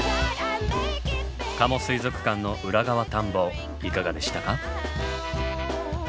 加茂水族館の裏側探訪いかがでしたか？